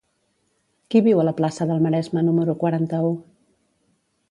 Qui viu a la plaça del Maresme número quaranta-u?